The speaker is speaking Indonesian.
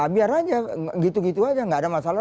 biar aja gitu gitu aja nggak ada masalah